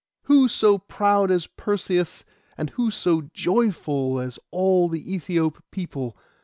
Who so proud as Perseus, and who so joyful as all the Æthiop people?